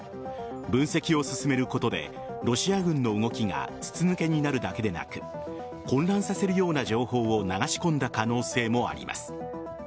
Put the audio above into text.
分析を進めることでロシア軍の動きが筒抜けになるだけでなく混乱させるような情報を流し込んだ可能性もあります。